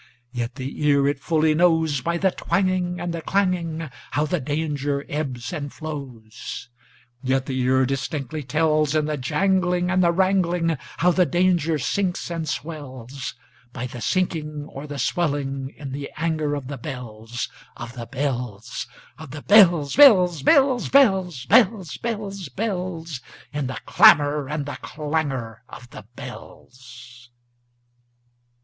Yet the ear it fully knows, By the twangingAnd the clanging, How the danger ebbs and flows; Yet the ear distinctly tells, In the janglingAnd the wrangling, How the danger sinks and swells,—By the sinking or the swelling in the anger of the bells, Of the bells, Of the bells, bells, bells, bells, Bells, bells, bells—In the clamor and the clangor of the bells!